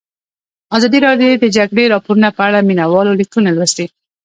ازادي راډیو د د جګړې راپورونه په اړه د مینه والو لیکونه لوستي.